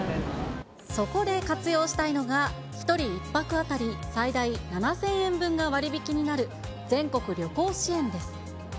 そこで活用したいのが、１人１泊当たり最大７０００円分が割引になる、全国旅行支援です。